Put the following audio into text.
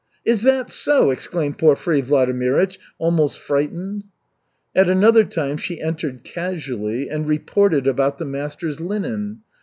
"Is that so?" exclaimed Porfiry Vladimirych, almost frightened. At another time she entered casually and "reported" about the master's linen.